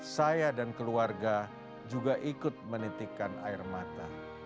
saya dan keluarga juga ikut menitikkan air mata